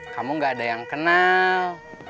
kamu gak ada yang kenal